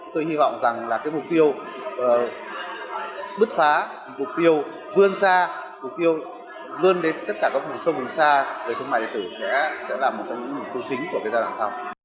tôi hy vọng rằng là cái mục tiêu bứt phá mục tiêu vươn xa mục tiêu vươn đến tất cả các vùng sâu vùng xa về thương mại điện tử sẽ là một trong những mục tiêu chính của cái giai đoạn sau